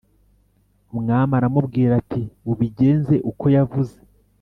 Umwami aramubwira ati “Ubigenze uko yavuze